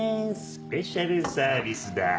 スペシャルサービスだ！